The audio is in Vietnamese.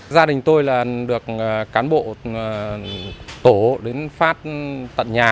gia đình tôi là được cán bộ tổ đến phát tận nhà